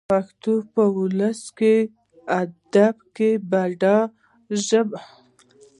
پښتو په اولسي ادب کښي بډايه ژبه ګڼل سوې.